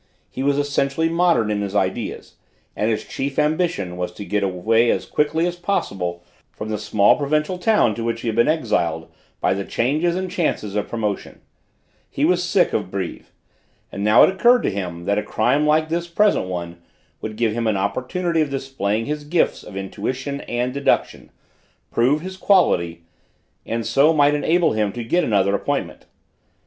He was essentially modern in his ideas, and his chief ambition was to get away as quickly as possible from the small provincial town to which he had been exiled by the changes and chances of promotion; he was sick of Brives, and now it occurred to him that a crime like this present one would give him an opportunity of displaying his gifts of intuition and deduction, prove his quality, and so might enable him to get another appointment.